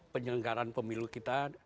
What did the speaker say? penyelenggaran pemilu kita